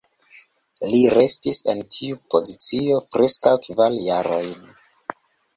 Li restis en tiu pozicio preskaŭ kvar jarojn.